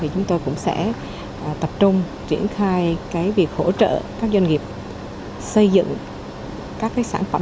chúng tôi cũng sẽ tập trung triển khai việc hỗ trợ các doanh nghiệp xây dựng các sản phẩm